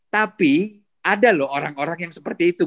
tapi ada loh orang orang yang seperti itu